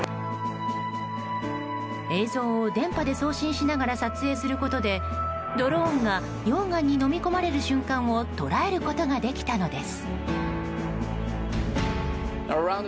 映像を電波で送信しながら撮影することでドローンが溶岩にのみ込まれる瞬間を捉えることができたのです。